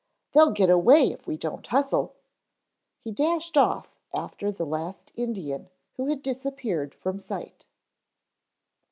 "They'll get away if we don't hustle." He dashed off after the last Indian who had disappeared from sight.